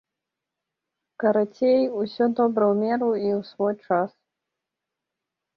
Карацей, усё добра ў меру і ў свой час.